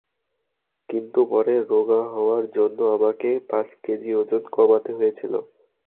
কিন্তু পরে রোগা হওয়ার জন্য আমাকে পাঁচ কেজি ওজন কমাতে হয়েছিল।